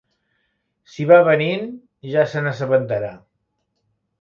Si va venint ja se n'assabentarà.